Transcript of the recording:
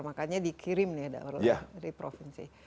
makanya dikirim nih dari provinsi